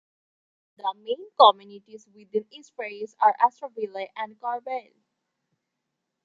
The main communities within East Ferris are Astorville and Corbeil.